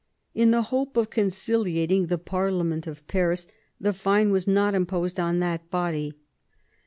In the hope of conciliating the parlement of Paris, the fine was not imposed on that body.